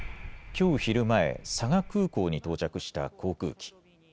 きょう昼前、佐賀空港に到着した航空機。